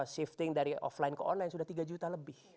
shifting dari offline ke online sudah tiga juta lebih